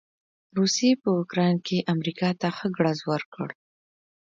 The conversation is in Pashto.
روسې په يوکراين کې امریکا ته ښه ګړز ورکړ.